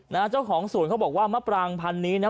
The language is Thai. นะฮะเจ้าของสวนเขาบอกว่ามะปรางพันนี้เนี่ย